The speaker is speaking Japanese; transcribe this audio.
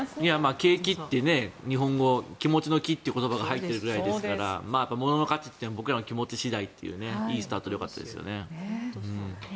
景気って日本語気持ちの「気」という言葉が入ってるくらいですから物の価値っていうのは僕らの気持ち次第といういいスタートでよかったですね。